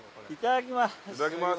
いただきまーす。